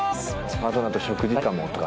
パートナーと食事したいかもとか。